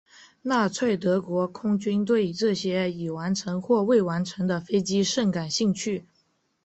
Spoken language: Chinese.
纳粹德国空军对这些已完成或未完成的飞机甚感兴趣。